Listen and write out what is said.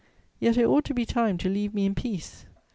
Yet it ought to be time to leave me in peace.